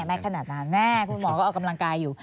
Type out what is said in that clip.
ไม่ขนาดนั้นแน่คุณหมอก็ออกกำลังกายอยู่